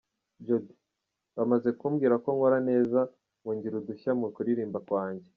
Jody : Bamaze kumbwira ko nkora neza, ngo ngira udushya mu kuririmba kwanjye.